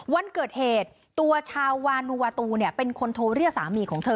วันเกิดเหตุตัวชาววานูวาตูเป็นคนโทรเรียกสามีของเธอ